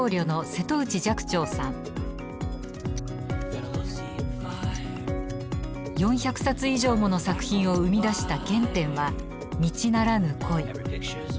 １人目は４００冊以上もの作品を生み出した原点は道ならぬ恋。